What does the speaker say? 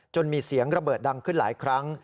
มีเสียงระเบิดดังขึ้นหลายครั้ง